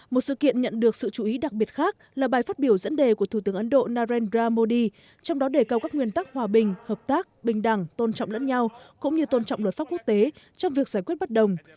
một sự kiện nhận được sự chú ý đặc biệt khác là bài phát biểu dẫn đề của thủ tướng ấn độ narendra modi trong đó đề cao các nguyên tắc hòa bình hợp tác bình đẳng tôn trọng lẫn nhau cũng như tôn trọng luật pháp quốc tế trong việc giải quyết bất đồng